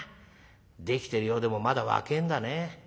できてるようでもまだ若えんだね。